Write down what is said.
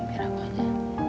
pihak aku aja